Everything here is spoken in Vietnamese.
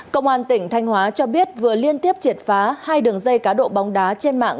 công an tỉnh thanh hóa cho biết vừa liên tiếp triệt phá hai đường dây cá độ bóng đá trên mạng